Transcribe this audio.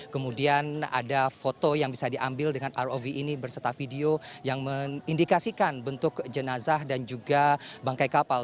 kemudian ada foto yang bisa diambil dengan rov ini berserta video yang mengindikasikan bentuk jenazah dan juga bangkai kapal